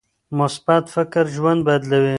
مثبت فکر ژوند بدلوي.